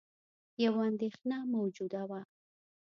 یوه اندېښنه موجوده وه